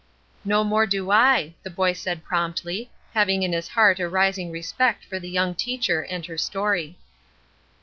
"No more do I," the boy said, promptly, having in his heart a rising respect for the young teacher and her story.